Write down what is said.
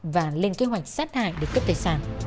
và lên kế hoạch sát hại được cấp tài sản